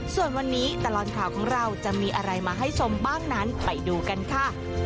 ส่วนวันนี้ตลอดข่าวของเราจะมีอะไรมาให้ชมบ้างนั้นไปดูกันค่ะ